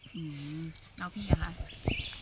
แล้วพี่ค่ะ